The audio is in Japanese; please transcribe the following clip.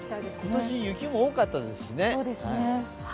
今年、雪も多かったですからね。